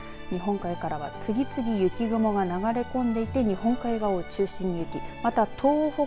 日本海からは次々に雪雲が流れ込んでいて日本海側を中心に雪。